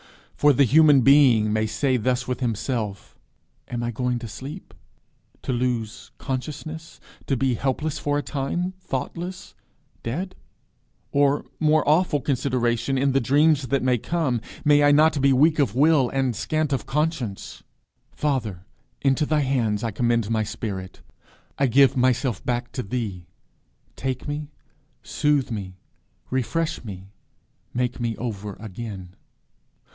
For the Human Being may say thus with himself: "Am I going to sleep to lose consciousness to be helpless for a time thoughtless dead? Or, more awful consideration, in the dreams that may come may I not be weak of will and scant of conscience? Father, into thy hands I commend my spirit. I give myself back to thee. Take me, soothe me, refresh me, 'make me over again.'